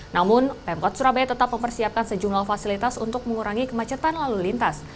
namun pemkot surabaya tetap mempersiapkan sejumlah fasilitas untuk mengurangi kemacetan lalu lintas